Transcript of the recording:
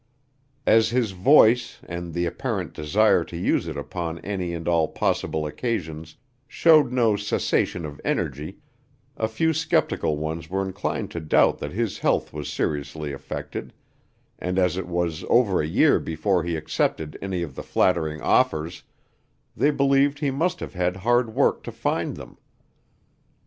As his voice, and the apparent desire to use it upon any and all possible occasions, showed no cessation of energy, a few skeptical ones were inclined to doubt that his health was seriously affected, and as it was over a year before he accepted any of the flattering offers, they believed he must have had hard work to find them.